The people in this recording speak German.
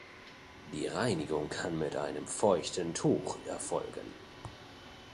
Die Reinigung kann mit einem feuchten Tuch erfolgen.